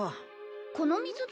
この水着？